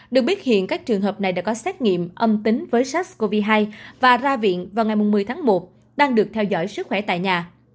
được biết hiện các trường hợp này đã có xét nghiệm âm tính với sars cov hai và ra viện vào ngày một mươi tháng một đang được theo dõi sức khỏe tại nhà